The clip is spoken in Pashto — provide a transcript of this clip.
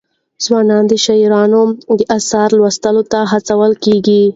ځوانان د شاعرانو د اثارو لوستلو ته هڅول کېږي.